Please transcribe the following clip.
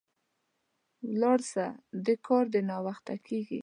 ولاړ سه، د کار دي ناوخته کیږي